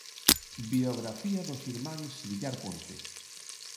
Biografía dos irmáns Villar Ponte.